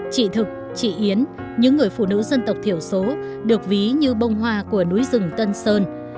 chị thực chị yến những người phụ nữ dân tộc thiểu số được ví như bông hoa của núi rừng tân sơn